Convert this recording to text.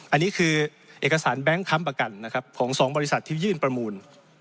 อันนี้คือเอกสารแบงค์ค้ำประกันนะครับของ๒บริษัทที่ยื่นประมูล